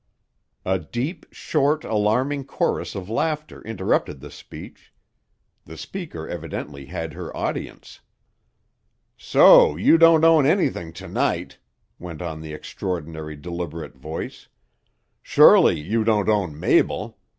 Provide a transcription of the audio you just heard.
A deep, short, alarming chorus of laughter interrupted the speech. The speaker evidently had her audience. "So you don't own anything to night," went on the extraordinary, deliberate voice; "surely you don't own Mabel.